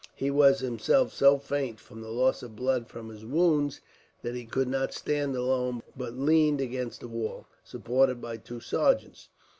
He was himself so faint, from the loss of blood from his wounds, that he could not stand alone, but leaned against a wall, supported by two sergeants.